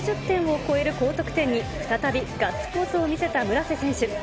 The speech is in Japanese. ９０点を超える高得点に、再びガッツポーズを見せた村瀬選手。